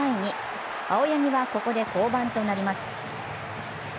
青柳は、ここで降板となります。